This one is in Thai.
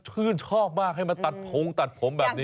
ชื่นชอบมากให้มาตัดพงตัดผมแบบนี้